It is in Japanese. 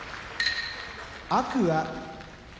天空海